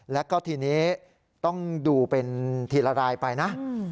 แล้วก็ทีนี้ต้องดูเป็นทีละรายไปนะ